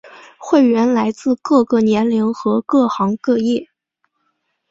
会员来自各个年龄和各行各业。